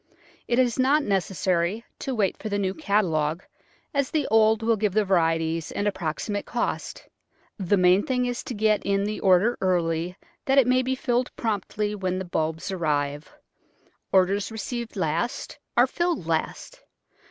It is not necessary to wait for the new catalogue, as the old will give the varieties and approximate cost. The main thing is to get in the order early that it may be filled promptly when the bulbs arrive. Orders received last are filled last.